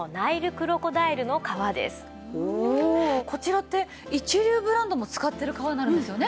こちらって一流ブランドも使ってる革になるんですよね？